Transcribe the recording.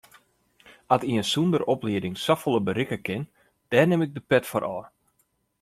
At ien sonder oplieding safolle berikke kin, dêr nim ik de pet foar ôf.